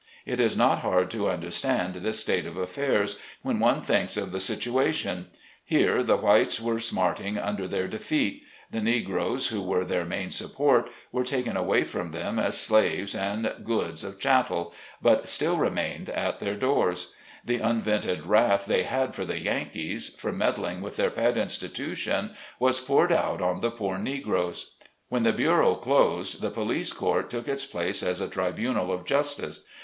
It is not hard to understand this state of affairs, when one thinks of the situation ; here the whites were smarting under their defeat, the Negroes, who were their main support, were taken away from them 64 SLAVE CABIN TO PULPIT. as slaves and goods of chattel, but still remained at their doors. The unvented wrath they had for the Yankees, for meddling with their pet institution, was poured out on the poor Negroes. When the bureau closed, the Police Court took its place as a tribunal of justice.